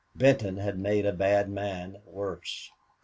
Benton had made a bad man worse.